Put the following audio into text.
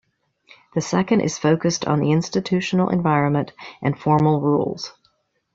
The second is focused on the institutional environment and formal rules.